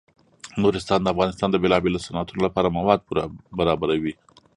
نورستان د افغانستان د بیلابیلو صنعتونو لپاره مواد پوره برابروي.